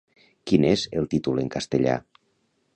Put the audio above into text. Quin és el títol en castellà?